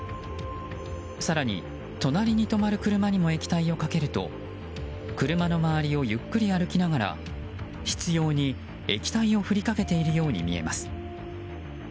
更に、隣りに止まる車にも液体をかけると車の周りをゆっくり歩きながら執拗に液体を振りかけているように見えます。